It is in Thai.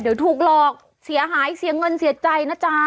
เดี๋ยวถูกหลอกเสียหายเสียเงินเสียใจนะจ๊ะ